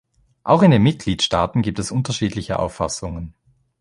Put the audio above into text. Auch in den Mitgliedstaaten gibt es unterschiedliche Auffassungen.